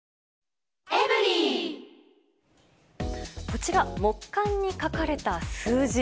こちら、木簡に書かれた数字。